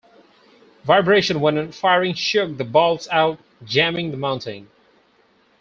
Vibration when firing shook the balls out, jamming the mounting.